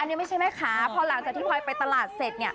อันนี้ไม่ใช่แม่ค้าพอหลังจากที่พลอยไปตลาดเสร็จ